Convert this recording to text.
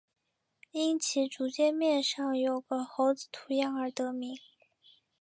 因其主界面上有个猴子图样而得名。